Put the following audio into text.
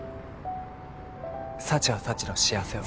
幸は幸の幸せを。